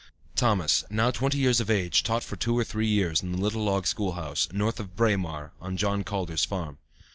Thomas, now twenty years of age, taught for two or three years in the little log school house, north of Braemar, on John Calder's farm.